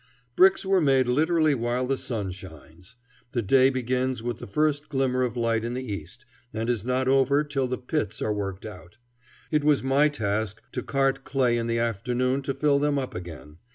Bricks are made literally while the sun shines. The day begins with the first glimmer of light in the east, and is not over till the "pits" are worked out. It was my task to cart clay in the afternoon to fill them up again.